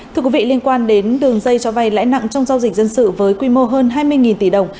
thưa quý vị liên quan đến đường dây cho vay lãi nặng trong giao dịch dân sự với quy mô hơn hai mươi tỷ đồng